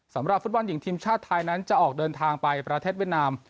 สำหรับฟุตบอลหญิงทีมชาติไทยนั้นจะออกเดินทางไปประเทศเวียดนาม